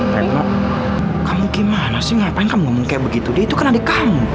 retno kamu gimana sih ngapain kamu ngomong kayak begitu dia itu kan adik kamu